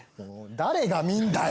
誰が見んだよ